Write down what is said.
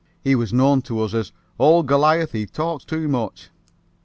He was known to us as "Ole Goliath he talks too much."